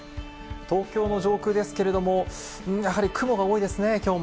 東京の上空ですけれども、やはり雲が多いですね、きょうも。